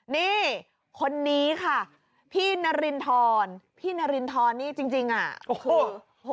นี่คนนี้ค่ะพี่นรินทรพี่นรินทรนี่จริงจริงอ่ะโอ้โห